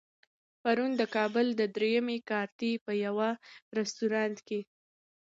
پرون د کابل د درېیمې کارتې په يوه رستورانت کې.